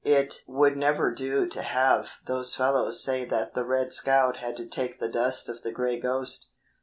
"It would never do to have those fellows say that the 'Red Scout' had to take the dust of the 'Gray Ghost.'"